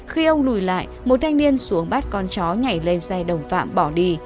khi ông lùi lại một thanh niên xuống bắt con chó nhảy lên xe đồng phạm bỏ đi